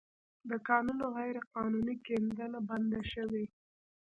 د کانونو غیرقانوني کیندنه بنده شوې